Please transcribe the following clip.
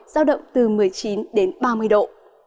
giao động từ một mươi chín đến ba mươi độ